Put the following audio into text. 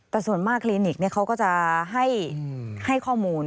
แต่ส่วนมากคลินิกเขาก็จะให้ข้อมูล